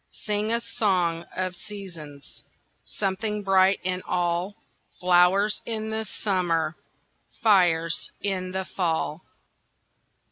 Sing a song of seasons! Something bright in all! Flowers in the summer, Fires in the fall!